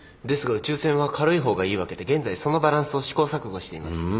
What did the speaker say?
ですが宇宙船は軽い方がいいわけで現在そのバランスを試行錯誤しています。